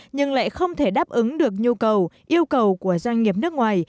nhưng lại không thể đáp ứng được nhu cầu yêu cầu của doanh nghiệp nước ngoài